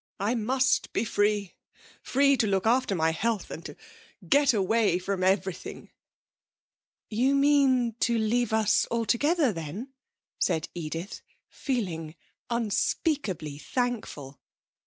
I must be free free to look after my health and to get away from everything!' 'You mean to leave us altogether then?' said Edith, feeling unspeakably thankful.